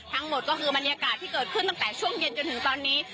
ทั้งหมดก็คือบรรยากาศที่เกิดขึ้นตั้งแต่ช่วงเย็นจนถึงตอนนี้